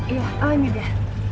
iya ini dia